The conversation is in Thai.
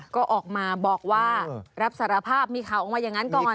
ก็ออกมาบอกว่ารับสารภาพมีข่าวออกมาอย่างนั้นก่อน